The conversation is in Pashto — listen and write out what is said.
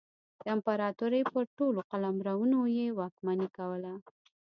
د امپراتورۍ پر ټولو قلمرونو یې واکمني کوله.